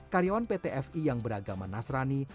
karyawan pt fi yang beragama nasrani